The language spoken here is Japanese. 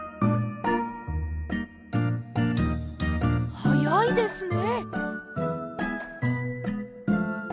はやいですね。